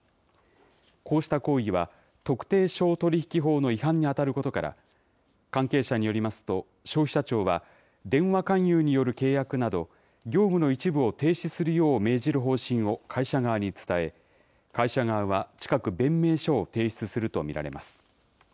こうした行為は、特定商取引法の違反に当たることから、関係者によりますと、消費者庁は、電話勧誘による契約など、業務の一部を停止するよう命じる方針を会社側に伝え、会社側は近く、弁明書を提出すると見られます。